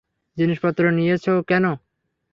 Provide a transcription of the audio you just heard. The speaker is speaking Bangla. জিনিসপত্র নিয়েছ কেন?